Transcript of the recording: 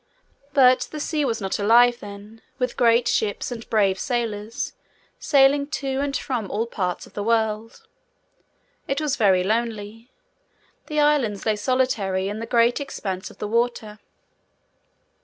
But the sea was not alive, then, with great ships and brave sailors, sailing to and from all parts of the world. It was very lonely. The Islands lay solitary, in the great expanse of water.